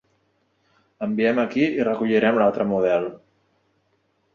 Enviem aquí i recollirem l'altre model.